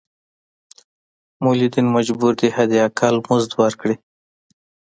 مولدین مجبور دي حد اقل مزد ورکړي.